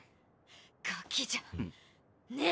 ガキじゃねえ！